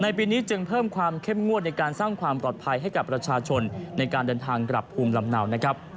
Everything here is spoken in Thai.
ปีนี้จึงเพิ่มความเข้มงวดในการสร้างความปลอดภัยให้กับประชาชนในการเดินทางกลับภูมิลำเนานะครับ